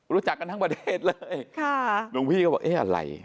รู้จักกันทั้งประเทศเลยค่ะหลวงพี่ก็บอกเอ๊ะอะไร